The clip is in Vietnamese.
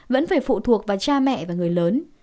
vẫn phải phụ thuộc vào cha mẹ và người lớn